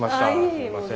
すいません。